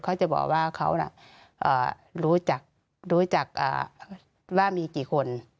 เขาจะบอกว่าเขารู้จักว่ามีกี่คน